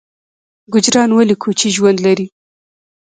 ګوجران ولې کوچي ژوند لري؟